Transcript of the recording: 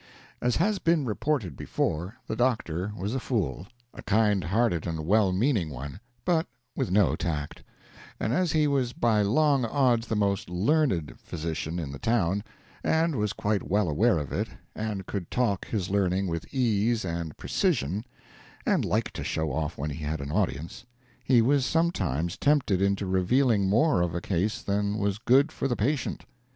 As has been reported before, the doctor was a fool a kind hearted and well meaning one, but with no tact; and as he was by long odds the most learned physician in the town, and was quite well aware of it, and could talk his learning with ease and precision, and liked to show off when he had an audience, he was sometimes tempted into revealing more of a case than was good for the patient.